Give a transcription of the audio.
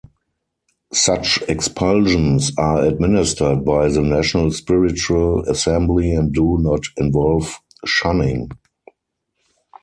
Such expulsions are administered by the National Spiritual Assembly and do not involve shunning.